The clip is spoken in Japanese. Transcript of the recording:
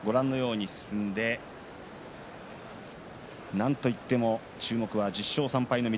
なんといっても注目は１０勝３敗の翠